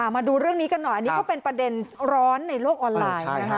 มาดูเรื่องนี้กันหน่อยอันนี้ก็เป็นประเด็นร้อนในโลกออนไลน์นะคะ